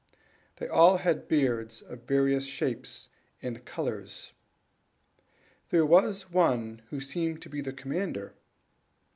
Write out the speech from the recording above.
They all had beards, of various shapes and colors. There was one who seemed to be the commander.